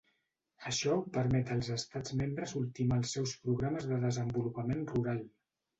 Això permet als Estats Membres ultimar els seus programes de desenvolupament rural.